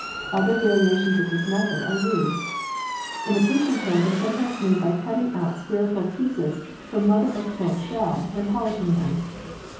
Other variations of this method are used. Imitation pearls are sometimes made by cutting out spherical pieces from mother of pearl shell and polishing them.